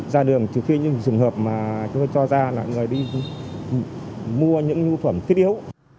ra đường trừ khi những trường hợp mà người cho ra là người đi mua những nhu phẩm thiết yếu